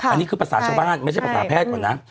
อันนี้คือภาษาชาวบ้านไม่ใช่ภาษาแพทย์ก่อนนะ